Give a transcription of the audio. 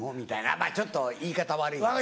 まぁちょっと言い方悪いけど。